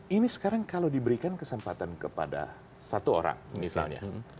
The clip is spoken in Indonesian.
ini sekarang kalau diberikan kesempatan kepada satu orang misalnya